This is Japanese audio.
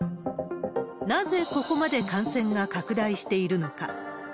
なぜここまで感染が拡大しているのか。